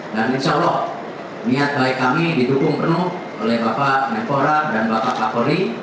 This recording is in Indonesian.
dan insya allah niat baik kami didukung penuh oleh bapak mepora dan bapak pak kori